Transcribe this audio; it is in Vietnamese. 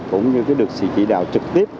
cũng như được chỉ đạo trực tiếp